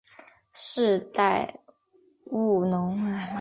世代务农。